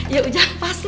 iya ujang pasnya